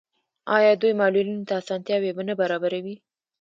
آیا دوی معلولینو ته اسانتیاوې نه برابروي؟